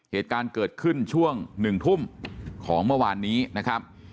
เหตุการณ์เกิดขึ้นช่วง๑ทุ่มของเมื่อวานนี้นะครับ